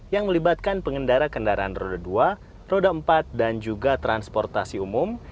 yang melibatkan pengendara kendaraan roda dua roda empat dan juga transportasi umum